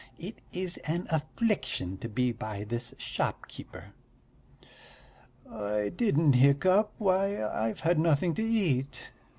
"It is an affliction to be by this shopkeeper!" "I didn't hiccup; why, I've had nothing to eat.